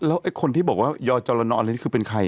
แล้วคนที่บอกว่ายจรณอนคือเป็นใคร